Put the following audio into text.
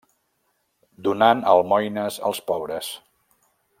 Donant almoines als pobres.